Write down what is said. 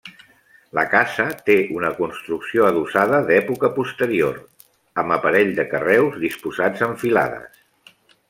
La casa té una construcció adossada d'època posterior, amb aparell de carreus disposats en filades.